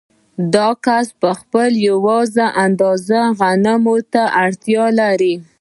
دا کس په خپله یوې اندازې غنمو ته اړتیا لري